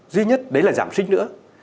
duy nhất đấy là giảm sinh nữa